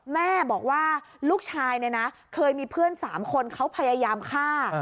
แม่บอกว่าลูกชายเนี่ยนะเคยมีเพื่อน๓คนเขาพยายามฆ่า